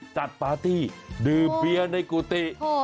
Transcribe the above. จัดปาที่ดืมเบียวในกูติ